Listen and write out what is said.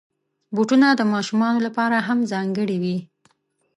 بوټونه د ماشومانو لپاره هم ځانګړي وي.